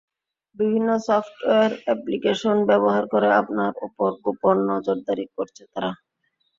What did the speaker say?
বিভিন্ন software, application ব্যবহার করে আপনার ওপর গোপন নজরদারি করছে তারা।